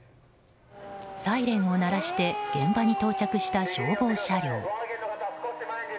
サイレンを鳴らして現場に到着した消防車両。